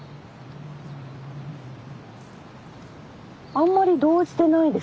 あんまり動じてないですね。